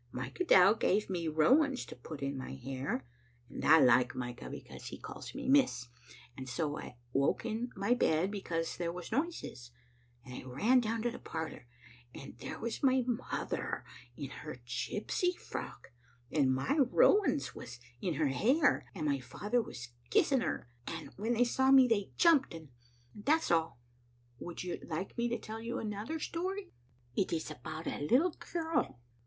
Micah Dow gave me rowans to put in my hair, and I like Micah because he calls me Miss, and so I woke in my bed because there was noises, and I ran down to the parlor, and there was my mother in her gypsy frock, and my rowans was in Digitized by VjOOQ IC tCalft of a Xittte Aait). 378 her hair, and my father was kissing her, and when they saw me they jumped; and that's all." " Would you like me to tell you another story? It is about a little girl.